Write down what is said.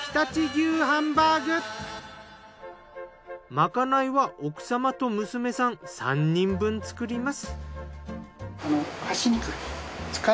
まかないは奥様と娘さん３人分作ります。